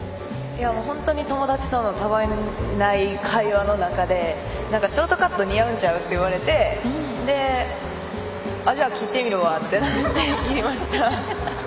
本当に友達とのたわいのない会話の中でショートカット似合うんちゃう？って言われてじゃあ切ってみるわってなって切りました。